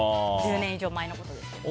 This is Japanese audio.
１０年以上前のことですけど。